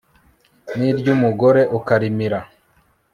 n'iryumugore ukarimira